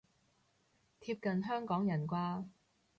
貼近香港人啩